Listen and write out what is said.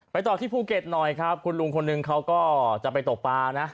ต่อที่ภูเก็ตหน่อยครับคุณลุงคนนึงเขาก็จะไปตกปลานะ